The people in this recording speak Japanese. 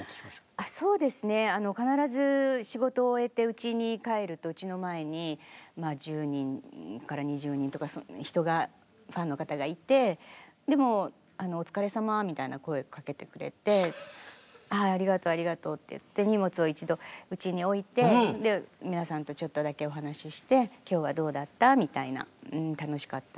そうですね必ず仕事を終えてうちに帰るとうちの前に１０人から２０人とかファンの方がいてでも「お疲れさま」みたいな声をかけてくれて「はいありがとうありがとう」って言って荷物を一度うちに置いて皆さんとちょっとだけお話しして「今日はどうだった？」みたいな「うん楽しかった。